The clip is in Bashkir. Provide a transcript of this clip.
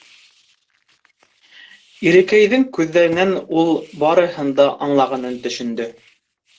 Ирекәйҙең күҙҙәренән ул барыһын да аңлағанын төшөндө.